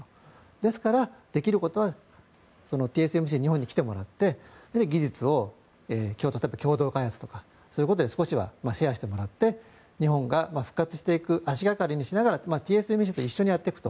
ですから、できることはＴＳＭＣに日本に来てもらって技術を、共同開発とかそういうことで少しでもシェアしてもらって日本が復活していく足掛かりにしながらＴＳＭＣと一緒にやっていくと。